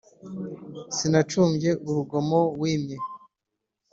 Sinacumbye urugomo wimye